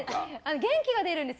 元気が出るんです。